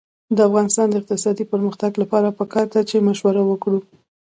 د افغانستان د اقتصادي پرمختګ لپاره پکار ده چې مشوره وکړو.